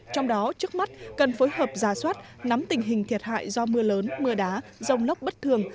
trong đó trước mắt cần phối hợp ra soát nắm tình hình thiệt hại do mưa lớn mưa đá rông lốc bất thường